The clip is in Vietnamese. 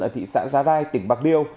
ở thị xã giá rai tỉnh bạc liêu